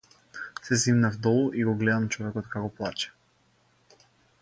Се симнав долу и го гледам човекот како плаче.